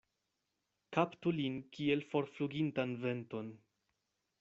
Kaptu lin kiel forflugintan venton.